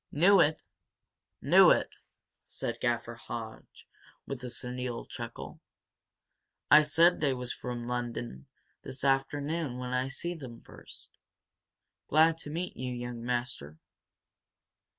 "Knew it! Knew it!" said Gaffer Hodge, with a senile chuckle. "I said they was from Lunnon this afternoon when I seen them fust! Glad to meet you, young master."